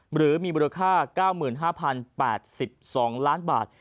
หรือมีมูลค่า๙๕๐๘๒ล้านบาท